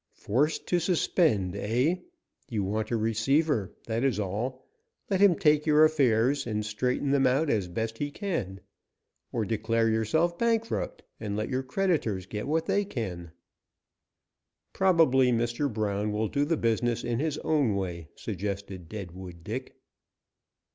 "Forced to suspend, eh? You want a receiver, that is all; let him take your affairs and straighten them out as best he can. Or, declare yourself bankrupt, and let your creditors get what they can " "Probably Mr. Brown will do the business in his own way," suggested Deadwood Dick.